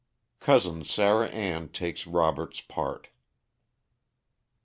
_Cousin Sarah Ann Takes Robert's Part.